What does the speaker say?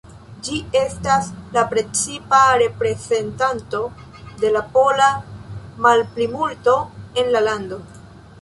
Ĝi estas la precipa reprezentanto de la pola malplimulto en la lando.